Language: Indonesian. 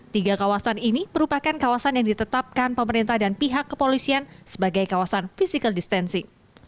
tiga kawasan ini merupakan kawasan yang ditetapkan pemerintah dan pihak kepolisian sebagai kawasan physical distancing